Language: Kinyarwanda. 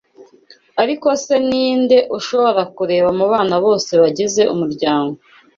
Ariko se ni nde ushobora kureba mu bana bose bagize umuryango